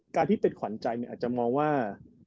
การที่เป็นขวัญใจอาจจะมองว่า